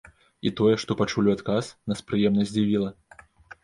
І тое, што пачулі ў адказ, нас прыемна здзівіла.